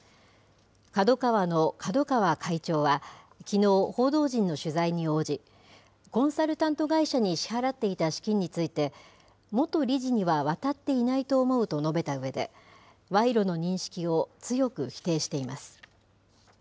ＫＡＤＯＫＡＷＡの角川会長は、きのう、報道陣の取材に応じ、コンサルタント会社に支払っていた資金について、元理事には渡っていないと思うと述べたうえで、賄賂の認識を強く否定しています。